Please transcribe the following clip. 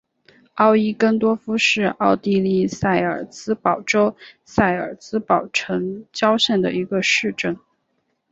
奥伊根多夫是奥地利萨尔茨堡州萨尔茨堡城郊县的一个市镇。